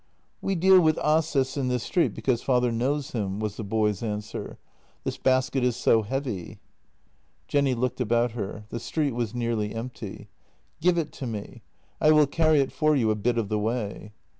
"We deal with Aases in this street because father knows him," was the boy's answer. " This basket is so heavy." Jenny looked about her; the street was nearly empty: " Give it to me. I will carry it for you a bit of the way."